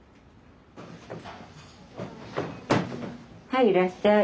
はいいらっしゃい。